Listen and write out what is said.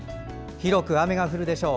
広く雨が降るでしょう。